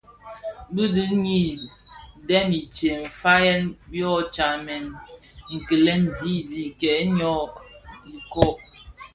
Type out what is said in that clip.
Bë dhini dèm intsem nfayèn yō tsamèn kilè kizizig kè йyō inōk.